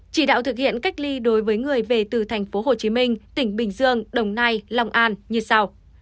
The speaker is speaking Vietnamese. chỉ đạo thực hiện cách ly đối với người về từ thành phố hồ chí minh tỉnh bình dương đồng nai long an như sau